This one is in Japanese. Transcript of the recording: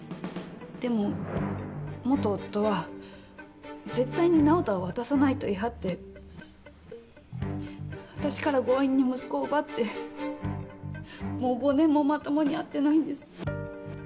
でも元夫は絶対に直人は渡さないと言い張って私から強引に息子を奪ってもう５年もまともに会ってないんです。